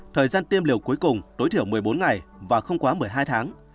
thời gian tiêm liều cuối cùng tối thiểu một mươi bốn ngày và không quá một mươi hai tháng